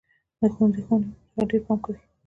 د ښوونځي ښوونکي به پر هغه ډېر پام کوي.